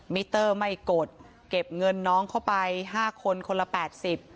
มิเตอร์ไม่กดเก็บเงินน้องเข้าไปห้าคนคนละแปดสิบ